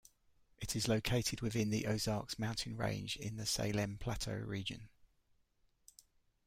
It is located within the Ozarks mountain range, in the Salem Plateau region.